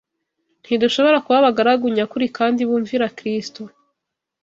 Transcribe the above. ntidushobora kuba abagaragu nyakuri kandi bumvira Kristo.